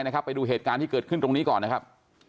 ไปดูเหตุการณ์ที่เกิดขึ้นตรงนี้ก่อนนะครับ